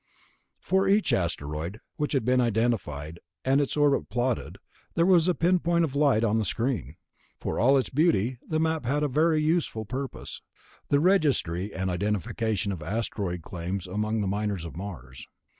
For each asteroid which had been identified, and its orbit plotted, there was a pinpoint of light on the screen. For all its beauty, the Map had a very useful purpose ... the registry and identification of asteroid claims among the miners of Mars.